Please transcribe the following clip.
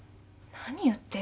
何言ってるのよ！